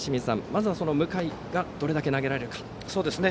まずは向井がどれだけ投げられるかですね。